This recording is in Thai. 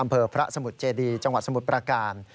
อำเภอพระสมุทรเจดีจังหวัดสมุทรประการ